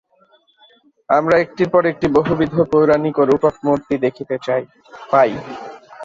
আমরা একটির পর একটি বহুবিধ পৌরাণিক ও রূপক মূর্তি দেখিতে পাই।